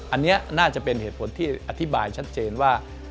อันนี้น่าจะเป็นเหตุผลที่อธิบายชัดเจนว่า